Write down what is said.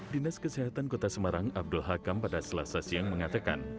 dinas kesehatan kota semarang abdul hakam pada selasa siang mengatakan